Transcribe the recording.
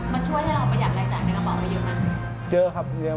มันช่วยให้เราประหยัดรายจ่ายในกระเป๋าได้เยอะมาก